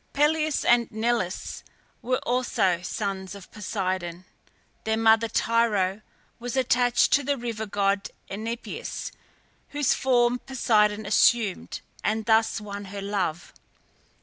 Pelias and Neleus were also sons of Poseidon. Their mother Tyro was attached to the river god Enipeus, whose form Poseidon assumed, and thus won her love.